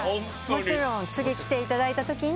もちろん次来ていただいたときに。